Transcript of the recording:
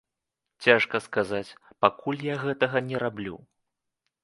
Цяжка сказаць, пакуль я гэтага не раблю.